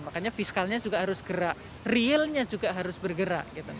makanya fiskalnya juga harus gerak realnya juga harus bergerak